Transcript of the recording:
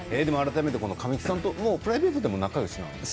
神木さんとプライベートでも仲よしなんですか？